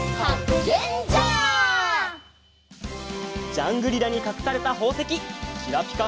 ジャングリラにかくされたほうせききらぴか